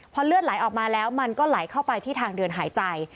พอเลือดไหลออกมาแล้วมันก็ไหลเข้าไปที่ทางเดินหายใจ